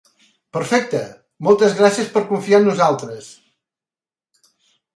Perfecte, moltes gràcies per confiar en nosaltres.